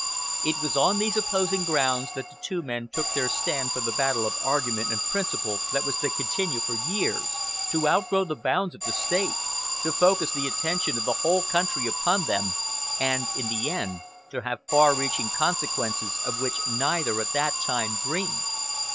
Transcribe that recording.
It was on these opposing grounds that the two men took their stand for the battle of argument and principle that was to continue for years, to outgrow the bounds of the State, to focus the attention of the whole country upon them, and, in the end, to have far reaching consequences of which neither at that time dreamed.